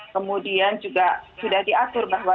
kemudian juga sudah diatur bahwa